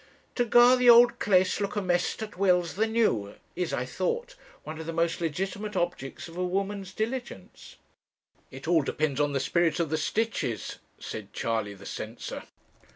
To gar the auld claes look amaist as weel's the new is, I thought, one of the most legitimate objects of a woman's diligence.' 'It all depends on the spirit of the stitches,' said Charley the censor.